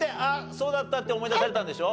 そうだったって思い出されたんでしょ。